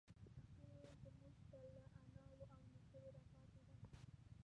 پښتو موږ ته له اناوو او نيکونو راپاتي ده.